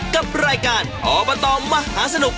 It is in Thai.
กับรายการอบตมหาสนุก